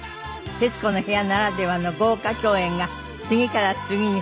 『徹子の部屋』ならではの豪華競演が次から次に。